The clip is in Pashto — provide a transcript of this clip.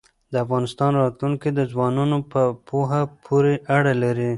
د افغانستان راتلونکی د ځوانانو په پوهه پورې اړه لري.